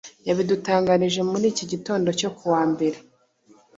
yabidutangarije muricyi gitondo cyo kuwambere